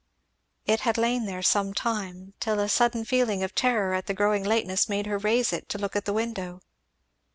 It had lain there some time, till a sudden felling of terror at the growing lateness made her raise it to look at the window.